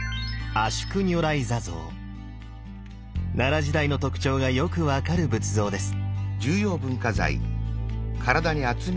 奈良時代の特徴がよく分かる仏像です。